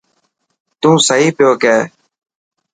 تون صحيح پيو ڪيهه.